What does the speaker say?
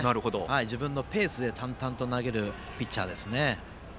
自分のペースで淡々と投げるピッチャーですね。